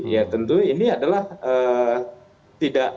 ya tentu ini adalah tidak